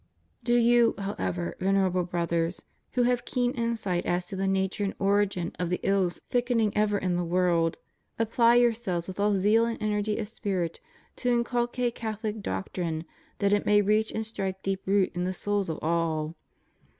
Do you, how^ever, Venerable Brothers, who have keen insight as to the nature and origin of the ills thickening ever in the world, apply yourselves with all zeal and energy of spirit to inculcate CathoUc doctrine, that it may reach and strike deep root in the souls of all.